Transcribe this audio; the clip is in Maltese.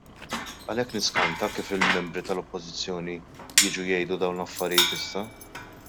Għalhekk niskanta kif il-Membri tal-Oppożizzjoni jiġu jgħidu dawn l-affarijiet issa!